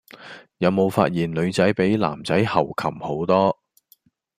有冇發現女仔比男仔猴擒好多